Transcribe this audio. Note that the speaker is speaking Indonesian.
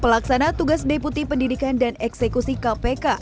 pelaksana tugas deputi pendidikan dan eksekusi kpk